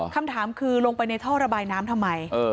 คำถามคือลงไปในท่อระบายน้ำทำไม